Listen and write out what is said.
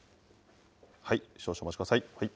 少々お待ちください。